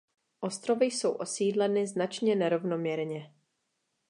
Ostrovy jsou osídleny značně nerovnoměrně.